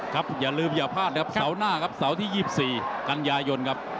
ครับอย่าลืมอย่าพลาดครับเสาหน้าครับเสาที่๒๔กัญญายนครับ